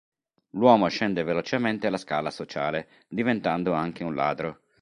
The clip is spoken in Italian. L'uomo scende velocemente la scala sociale, diventando anche un ladro.